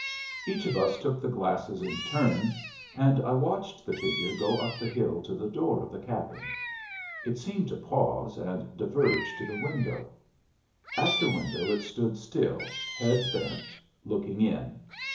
Each of us took the glasses in turn; and I watched the figure go up the hill to the door of the cabin. It seemed to pause and diverge to the window. At the window it stood still, head bent, looking in.